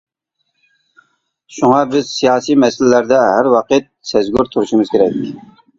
شۇڭا، بىز سىياسىي مەسىلىلەردە ھەر ۋاقىت سەزگۈر تۇرۇشىمىز كېرەك.